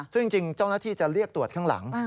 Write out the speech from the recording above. ซึ่งจริงเจ้าหน้าที่จะเรียกตรวจข้างหลัง